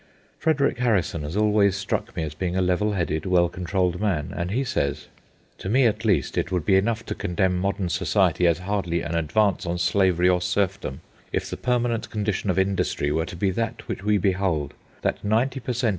Frederick Harrison has always struck me as being a level headed, well controlled man, and he says:— To me, at least, it would be enough to condemn modern society as hardly an advance on slavery or serfdom, if the permanent condition of industry were to be that which we behold, that ninety per cent.